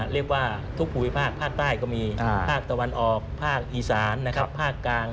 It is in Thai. เรียกว่าทุกภูมิภาคภาคใต้ก็มีภาคตะวันออกภาคอีสานนะครับภาคกลาง